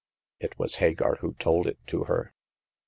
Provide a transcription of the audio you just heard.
It was Hagar who told it to her.